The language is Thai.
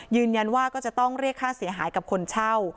ยืนยันว่าก็จะต้องเรียกค่าเสียหายกับคนเช่า